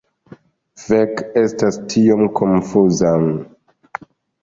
Fek, estas tiom konfuza…